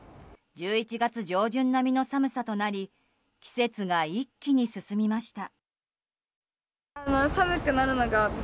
１１月上旬並みの寒さとなり季節が一気に進みました。